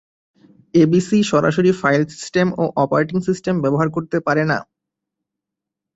ABC সরাসরি file system ও operating system ব্যবহার করতে পারে না।